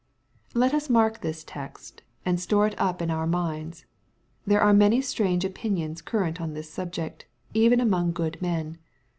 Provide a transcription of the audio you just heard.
Let us mark this text, and store it up in our minds^ There are many strange opinions current on this subject, even among good men.